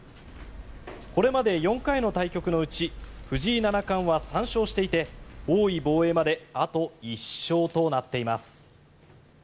これまで４回の対局のうち藤井七冠は３勝していて王位防衛まであと１勝となっています。